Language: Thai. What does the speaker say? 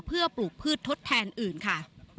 เพื่อปลูกพืชทดแทนอื่นค่ะ